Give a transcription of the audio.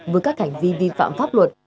với các cảnh vi vi phạm pháp luật